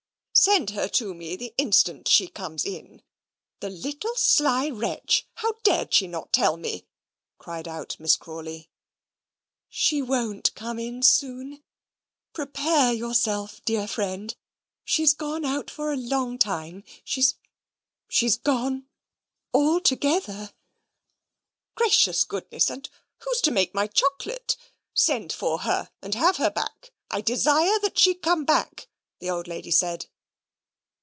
"Send her to me, the instant she comes in. The little sly wretch: how dared she not tell me?" cried out Miss Crawley. "She won't come in soon. Prepare yourself, dear friend she's gone out for a long time she's she's gone altogether." "Gracious goodness, and who's to make my chocolate? Send for her and have her back; I desire that she come back," the old lady said.